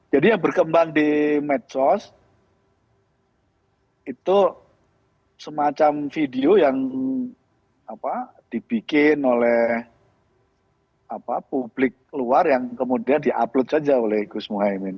jadi yang berkembang di medsos itu semacam video yang dibikin oleh publik luar yang kemudian di upload saja oleh gus muaymin